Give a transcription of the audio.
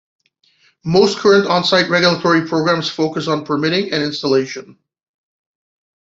Most current onsite regulatory programs focus on permitting and installation.